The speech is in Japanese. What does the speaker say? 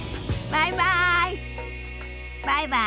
バイバイ。